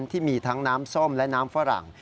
ที่มีทั้งน้ำส้มและน้ำฝรั่ง